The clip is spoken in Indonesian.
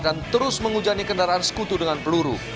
terus menghujani kendaraan sekutu dengan peluru